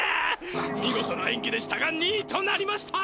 見事なえんぎでしたが２いとなりました！